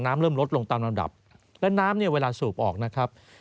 เริ่มลดลงตามลำดับและน้ำเนี่ยเวลาสูบออกนะครับ